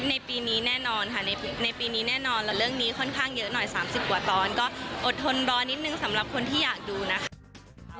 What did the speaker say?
ในปีนี้แน่นอนค่ะในปีนี้แน่นอนและเรื่องนี้ค่อนข้างเยอะหน่อย๓๐กว่าตอนก็อดทนรอนิดนึงสำหรับคนที่อยากดูนะคะ